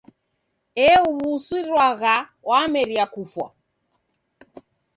Euw'usirilwagha wameria kufwa!